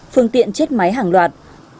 phương tiện chết máy hàng loạt